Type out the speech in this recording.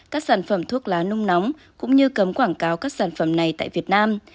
các sản phẩm thuốc lá nung nóng cũng như cấm quảng cáo các sản phẩm này tại việt nam